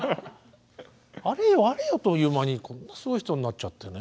あれよあれよという間にこんなすごい人になっちゃってね。